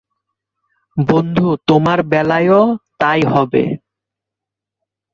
বন্ধু, তোমার বেলায়ও তাই হবে।